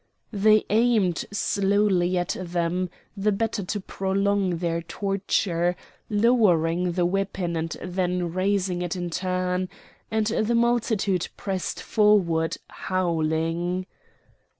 They aimed slowly at them, the better to prolong their torture, lowering the weapon and then raising it in turn; and the multitude pressed forward howling.